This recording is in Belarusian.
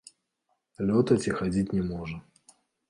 Лётаць і хадзіць не можа.